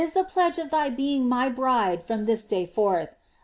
899 the pledge of thy being My bride from this day forth.